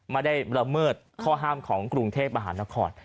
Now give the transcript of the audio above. ไม่ได้ละเมิดข้อห้ามของกรุงเทพมหานคร